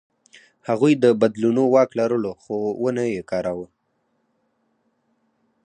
هغوی د بدلونو واک لرلو، خو ونه یې کاراوه.